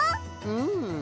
うん。